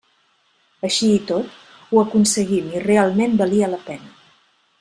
Així i tot, ho aconseguim i realment valia la pena.